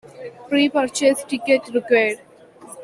Pre-purchased ticket required.